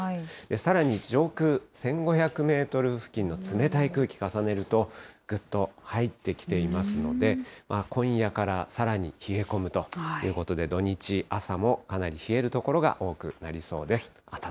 さらに上空１５００メートル付近の冷たい空気重ねると、ぐっと入ってきていますので、今夜からさらに冷え込むということで、土日、朝もかなり冷える所が多くなりそうです。